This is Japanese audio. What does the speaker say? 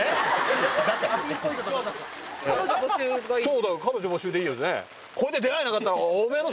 そうだよ彼女募集でいいよね？